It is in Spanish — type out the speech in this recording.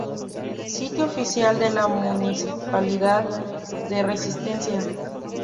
Sitio Oficial de la Municipalidad de Resistencia.